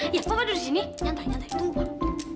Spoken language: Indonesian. iya papa duduk sini santai santai tunggu pak